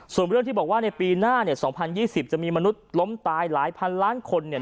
ส่วนเรื่องที่บอกว่าในปีหน้าเนี่ย๒๐๒๐จะมีมนุษย์ล้มตายหลายพันล้านคนเนี่ย